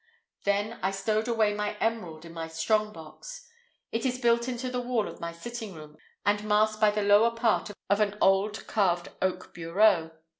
Then I stowed away my emerald in my strong box. It is built into the wall of my sitting room, and masked by the lower part of an old carved oak bureau.